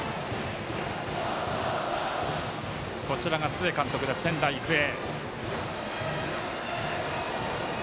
須江監督、仙台育英。